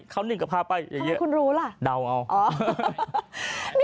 ค้าทนิ่งกลายังพาไปอย่างนี้